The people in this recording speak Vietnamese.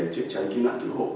chiếc cháy kỹ năng tử hộ